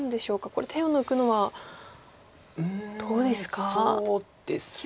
これ手を抜くのはどうですか？